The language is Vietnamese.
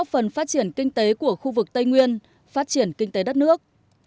phần phát triển kinh tế của khu vực tây nguyên phát triển kinh tế đất nước